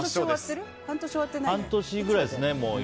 もう半年くらいですね。